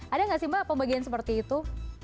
ada nggak sih mbak pembagian seperti itu